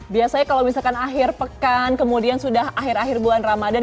biasanya kalau misalkan akhir pekan kemudian sudah akhir akhir bulan ramadan